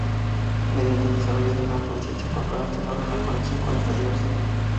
Mediante el desarrollo de la conciencia corporal, se logra la conexión con esta diversidad.